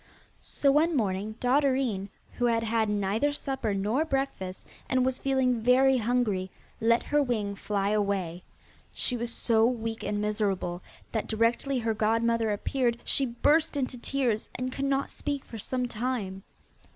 So one morning Dotterine, who had had neither supper nor breakfast, and was feeling very hungry, let her wing fly away. She was so weak and miserable, that directly her godmother appeared she burst into tears, and could not speak for some time.